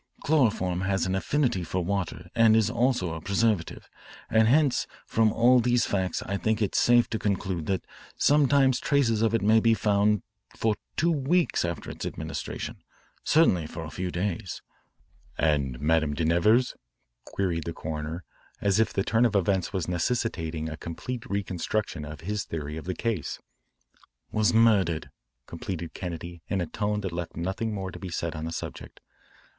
Chloroform has an affinity for water and is also a preservative, and hence from all these facts I think it safe to conclude that sometimes traces of it may be found for two weeks after its administration, certainly for a few days." "And Madame de Nevers? "queried the coroner, as if the turn of events was necessitating a complete reconstruction of his theory of the case. "Was murdered," completed Kennedy in a tone that left nothing more to be said on the subject.